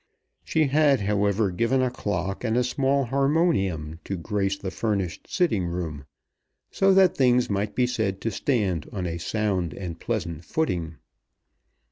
She had, however, given a clock and a small harmonium to grace the furnished sitting room; so that things might be said to stand on a sound and pleasant footing.